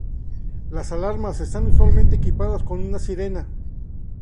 Las alarmas están usualmente equipadas con una sirena.